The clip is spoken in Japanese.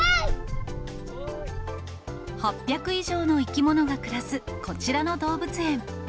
８００以上の生き物が暮らすこちらの動物園。